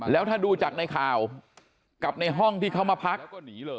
แล้วถ้าดูจากในข่าวกับในห้องที่เขามาพัก